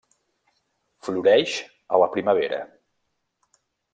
Floreix a la primavera.